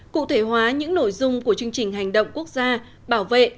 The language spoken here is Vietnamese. cụ thể hóa những nội dung của chương trình hành động quốc gia bảo vệ